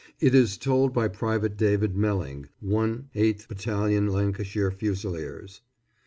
It is told by Private David Melling, 1/8th Battalion Lancashire Fusiliers.